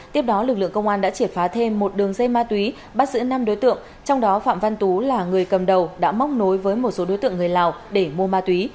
tiếp đó lực lượng công an đã triệt phá thêm một đường dây ma túy bắt giữ năm đối tượng trong đó phạm văn tú là người cầm đầu đã móc nối với một số đối tượng người lào để mua ma túy